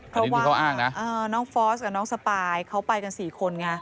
เพราะว่าน้องฟอสกับน้องสปายเขาไปกัน๔คนไง